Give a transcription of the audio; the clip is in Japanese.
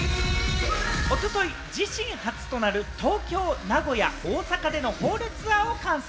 おととい、自身初となる東京、名古屋、大阪でのホールツアーを完走。